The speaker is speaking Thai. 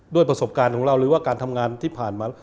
ประสบการณ์ของเราหรือว่าการทำงานที่ผ่านมา